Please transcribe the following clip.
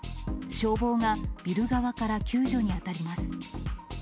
消防がビル側から救助に当たります。